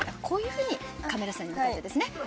こういうふうにカメラさんに向けてですね